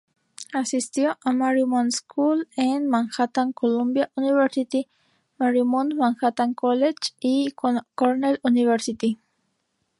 Asistió a Marymount School en Manhattan, Columbia University, Marymount Manhattan College y Cornell University.